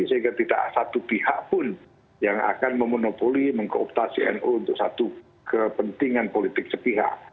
sehingga tidak satu pihak pun yang akan memonopoli mengkooptasi nu untuk satu kepentingan politik sepihak